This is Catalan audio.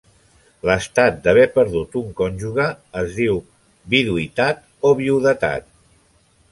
L'estat d'haver perdut un cònjuge es diu viduïtat o viudetat.